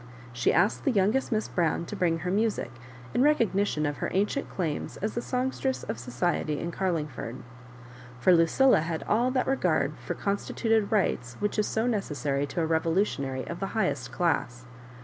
She asked the youngest Miss Brown to bring her music, in recognition of her ancient claims as the songstress of so ciety in Carlingford; for Lucilla had all that regard for constituted rights which is so neces sary to a revolutionary of the highest class.